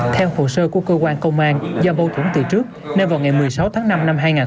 theo hồ sơ của cơ quan công an do bầu thủng từ trước nơi vào ngày một mươi sáu tháng năm năm hai nghìn hai mươi